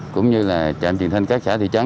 cũng như là trạm truyền thanh các xã thị trấn